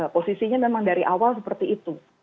posisinya memang dari awal seperti itu